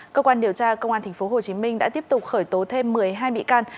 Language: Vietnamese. cơ quan điều tra công an tp hcm đã tiếp tục khởi tố thêm một mươi hai bị can